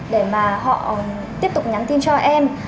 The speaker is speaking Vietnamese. để mà họ tiếp tục nhắn tin cho em